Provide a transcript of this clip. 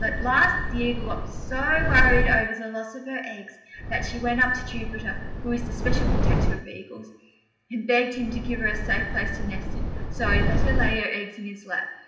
At last the Eagle got so worried over the loss of her eggs that she went up to Jupiter, who is the special protector of Eagles, and begged him to give her a safe place to nest in: so he let her lay her eggs in his lap.